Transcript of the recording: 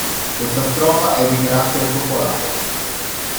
Questa strofa è di carattere popolare.